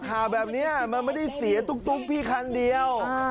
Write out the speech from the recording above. ข่าวแบบนี้มันไม่ได้เสียตุ๊กพี่คันเดียว